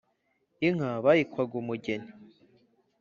inka bayikwaga umugeni.